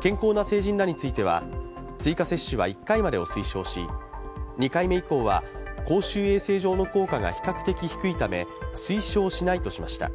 健康な成人らについては追加接種は１回までを推奨し２回目以降は、公衆衛生上の効果が比較的低いため推奨しないとしました。